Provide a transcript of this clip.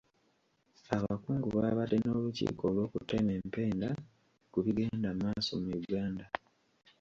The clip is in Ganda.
Abakungu baabadde n'olukiiko olw'okutema empenda ku bigenda maaso mu Uganda.